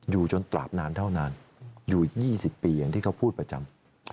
อยู่จนตราบนานเท่านานอยู่๒๐ปีอย่างที่เขาพูดประจำ